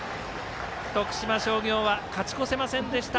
徳島商業は勝ち越せませんでした。